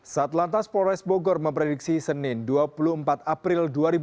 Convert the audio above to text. satlantas polres bogor memprediksi senin dua puluh empat april dua ribu dua puluh